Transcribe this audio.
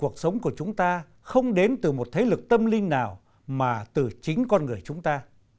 cuộc sống của chúng ta không đến từ một thế lực tâm linh nào mà từ chính con người chúng ta